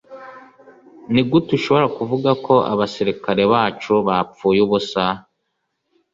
Nigute ushobora kuvuga ko abasirikare bacu bapfuye ubusa